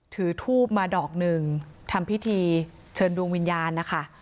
ถือทูบมาดอกหนึ่งทำพิธีเชิญดวงวิญญาณนะคะ